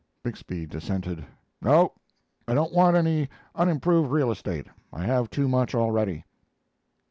Bixby dissented. "No; I don't want any unimproved real estate. I have too much already."